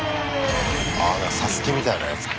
「ＳＡＳＵＫＥ」みたいなやつか。